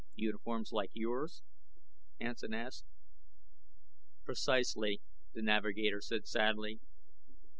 "Uniforms like yours?" asked Hansen. "Precisely," the navigator said sadly.